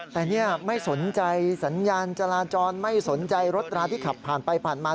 แต่นี่ไม่สนใจสัญญาณจราจรไม่สนใจรถราที่ขับผ่านไปผ่านมา